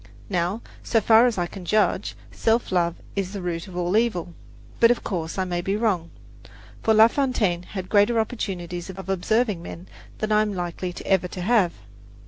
Now, so far as I can judge, self love is the root of all evil; but, of course, I may be wrong, for La Fontaine had greater opportunities of observing men than I am likely ever to have.